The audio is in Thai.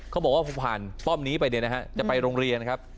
เขาบอกว่าพอผ่านป้อมนี้ไปเนี่ยนะฮะจะไปโรงเรียนนะครับ